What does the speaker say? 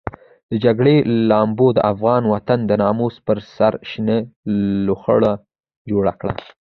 د جګړې لمبو د افغان وطن د ناموس پر سر شنه لوخړه جوړه کړه.